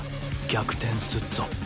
逆転すっぞ。